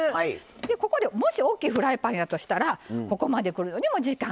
でここでもしおっきいフライパンやとしたらここまで来るのにも時間がかかる。